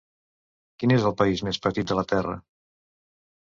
Quin és el país més petit de la Terra?